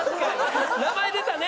名前出たね。